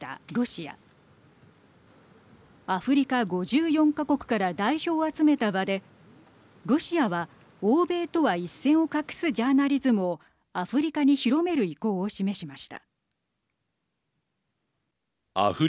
アフリカ５４か国から代表を集めた場でロシアは欧米とは一線を画すジャーナリズムをアフリカに広める意向を示しました。